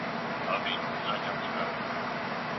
د مرګ تیاری ولرې نو له ژوند څخه به وېره ونلرې.